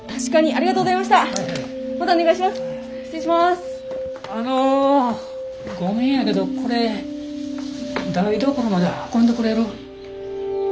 あのごめんやけどこれ台所まで運んでくれる？